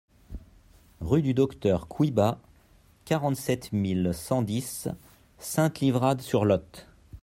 Rue du Docteur Couyba, quarante-sept mille cent dix Sainte-Livrade-sur-Lot